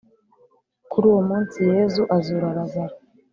kuri uwo munsi Yezu azura razaro